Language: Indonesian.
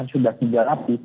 sudah tiga lapis